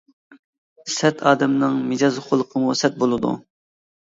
سەت ئادەمنىڭ مىجەز خۇلقىمۇ سەت بولىدۇ.